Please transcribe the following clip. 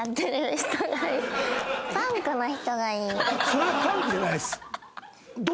それはパンクじゃないです。